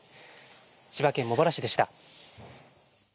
千葉県茂原市でした。